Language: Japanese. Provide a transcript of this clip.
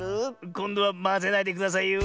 こんどはまぜないでくださいよ。